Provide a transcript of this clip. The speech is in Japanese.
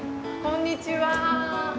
こんにちは。